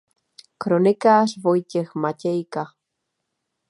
kronikář Vojtěch Matějka